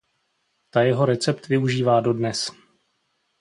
Ta jeho recept využívá dodnes.